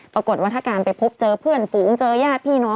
ปรากฏว่าถ้าการไปพบเจอเพื่อนฝูงเจอญาติพี่น้อง